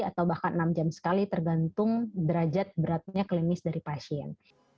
atau bahkan enam jam sekali tergantung derajat beratnya klinis dari pasien